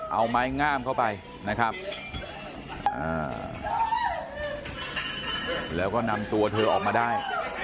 เอาไม้งามเข้าไปนะครับแล้วก็นำตัวเธอออกมาได้